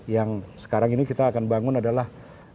yang sekarang ini kita akan bangun adalah